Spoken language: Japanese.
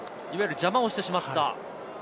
邪魔をしてしまった。